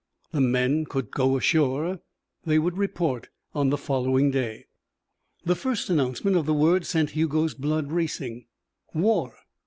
The men could go ashore. They would report on the following day. The first announcement of the word sent Hugo's blood racing. War!